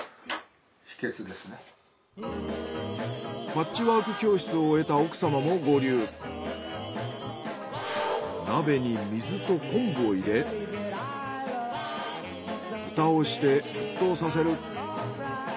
パッチワーク教室を終えた鍋に水と昆布を入れフタをして沸騰させる。